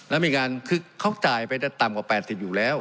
แล้วมีการคือเขาจ่ายไปต่ำกว่า๘๐อยู่แล้ว